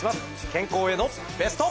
健康へのベスト。